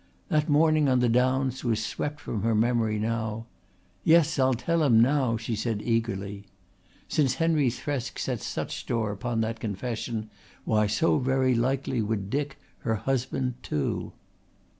That morning on the downs was swept from her memory now. "Yes, I'll tell him now," she said eagerly. Since Henry Thresk set such store upon that confession, why so very likely would Dick, her husband, too.